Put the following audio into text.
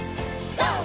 ＧＯ！